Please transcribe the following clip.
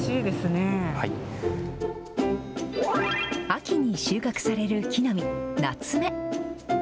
秋に収穫される木の実、なつめ。